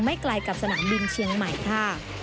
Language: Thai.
ไกลกับสนามบินเชียงใหม่ค่ะ